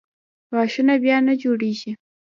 غاښونه بیا نه جوړېږي.